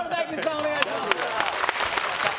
お願いします